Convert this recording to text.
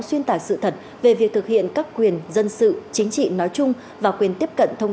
xuyên tạc sự thật về việc thực hiện các quyền dân sự chính trị nói chung và quyền tiếp cận thông